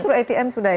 justru atm sudah ini